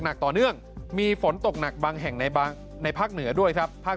หนักต่อเนื่องมีฝนตกหนักบางแห่งในบางในภาคเหนือด้วยครับภาค